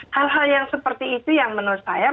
hal hal yang seperti itu yang menurut saya